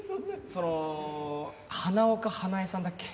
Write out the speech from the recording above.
その花岡花枝さんだっけ？